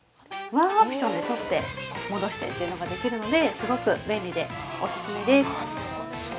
ワンアクションで、取って、戻してというのができるので、すごく便利でオススメです。